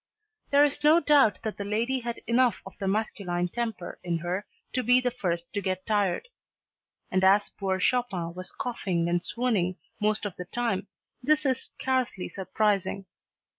There is no doubt that the lady had enough of the masculine temper in her to be the first to get tired. And as poor Chopin was coughing and swooning most of the time, this is scarcely surprising.